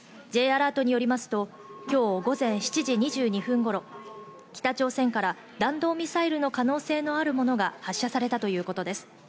Ｊアラートによりますと、午前７時２２分頃、北朝鮮から弾道ミサイルの可能性のあるものが発射されたということです。